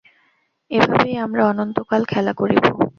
এভাবেই আমরা অনন্তকাল খেলা করিব।